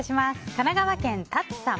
神奈川県の方。